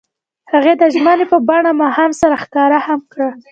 هغوی د ژمنې په بڼه ماښام سره ښکاره هم کړه.